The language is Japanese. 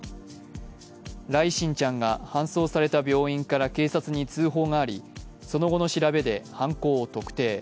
來心ちゃんが搬送された病院から警察に通報がありその後の調べで犯行を特定。